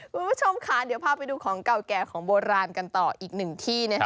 คุณผู้ชมค่ะเดี๋ยวพาไปดูของเก่าแก่ของโบราณกันต่ออีกหนึ่งที่นะคะ